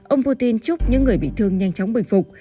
ông putin chúc những người bị thương nhanh chóng bình phục